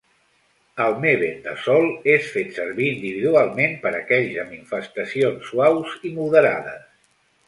El mebendazole és fet servir individualment per aquells amb infestacions suaus i moderades.